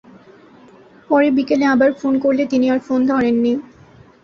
পরে বিকেলে আবার ফোন করলে তিনি আর ফোন ধরেননি।